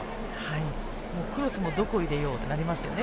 クロスもどこに入れようってなりますよね